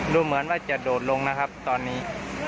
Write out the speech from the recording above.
ดูเหมือนว่าจะโดดลงนะครับตอนนี้